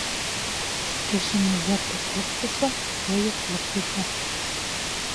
Кешене йә туҡлыҡ ҡуша, йә юҡлыҡ ҡуша.